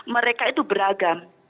mereka itu beragam